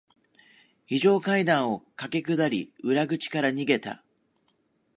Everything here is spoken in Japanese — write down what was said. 非常階段を駆け下り、裏口から逃げた。